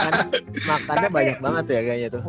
karena makannya banyak banget ya kayaknya tuh